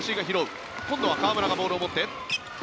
今度は河村がボールを持って。